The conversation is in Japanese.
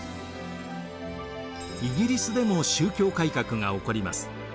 イギリスでも宗教改革が起こります。